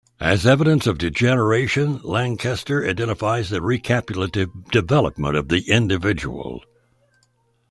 As evidence of degeneration, Lankester identifies the recapitulative development of the individual.